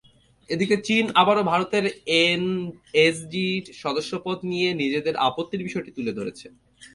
এদিকে, চীন আবারও ভারতের এনএসজির সদস্যপদ নিয়ে নিজেদের আপত্তির বিষয়টি তুলে ধরেছে।